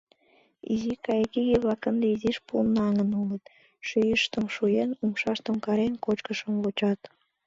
Изи кайыкиге-влак ынде изиш пунаҥын улыт, шӱйыштым шуен, умшаштым карен, кочкышым вучат.